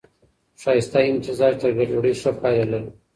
ښايسته امتزاج تر ګډوډۍ ښه پايله لري.